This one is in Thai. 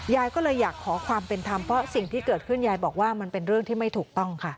ยายก็เลยอยากขอความเป็นธรรมเพราะสิ่งที่เกิดขึ้นยายบอกว่ามันเป็นเรื่องที่ไม่ถูกต้องค่ะ